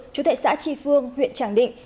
chủ tệ xã tri phương huyện tràng định